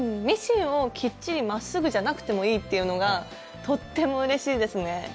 ミシンをきっちりまっすぐじゃなくてもいいっていうのがとってもうれしいですね。